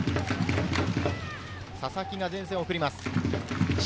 佐々木が前線に送ります。